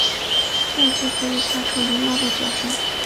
电鲇可以发出猫叫的声音。